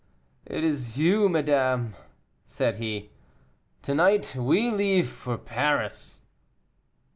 it is you, madame," said he, "to night we leave for Paris."